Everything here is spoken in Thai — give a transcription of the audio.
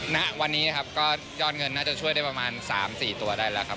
ณวันนี้นะครับก็ยอดเงินน่าจะช่วยได้ประมาณ๓๔ตัวได้แล้วครับ